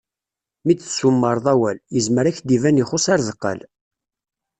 Mi d-tsumreḍ awal, yezmer ad ak-d-iban ixuss ar deqqal.